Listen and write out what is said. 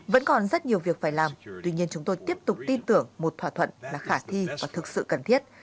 vẫn còn rất nhiều việc phải làm tuy nhiên chúng tôi tiếp tục tin tưởng một thỏa thuận là khả thi và thực sự cần thiết